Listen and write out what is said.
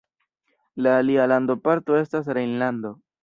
La alia landoparto estas Rejnlando.